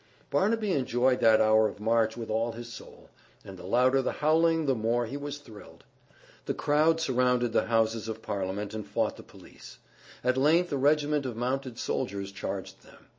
Barnaby enjoyed that hour of march with all his soul, and the louder the howling the more he was thrilled. The crowd surrounded the houses of Parliament and fought the police. At length a regiment of mounted soldiers charged them.